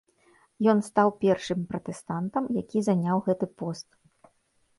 Ён стаў першы пратэстантам, які заняў гэты пост.